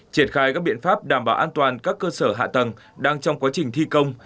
triển khai các biện pháp đảm bảo an toàn các cơ sở hạ tầng đang trong quá trình thi công